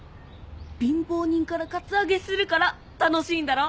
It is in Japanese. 貧乏人からカツアゲするから楽しいんだろ。